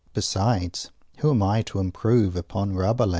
Besides, who am I to "improve" upon Rabelais?